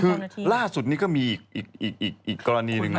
คือล่าสุดนี้ก็มีอีกกรณีหนึ่งนะ